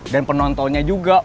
dan penontonnya juga